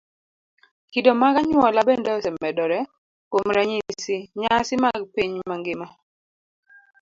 Kido mag anyuola bende osemedore. Kuom ranyisi, nyasi mag piny mangima